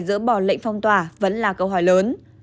dỡ bỏ lệnh phong tỏa vẫn là câu hỏi lớn